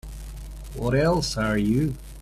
What else are you?